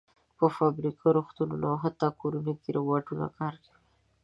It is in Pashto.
په فابریکو، روغتونونو او حتی کورونو کې روباټونه کار کوي.